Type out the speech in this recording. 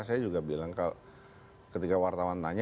saya juga bilang kalau ketika wartawan saya